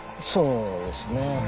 そうですねえ。